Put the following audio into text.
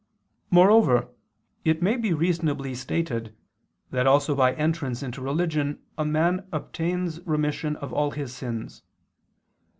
Moreover it may be reasonably stated that also by entrance into religion a man obtains remission of all his sins.